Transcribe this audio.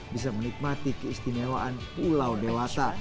bisa menikmati keistimewaan pulau dewata